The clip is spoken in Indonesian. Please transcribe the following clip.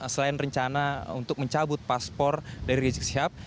selain rencana untuk mencabut paspor dari rizik sihab